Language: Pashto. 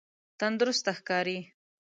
تندرسته ښکاری؟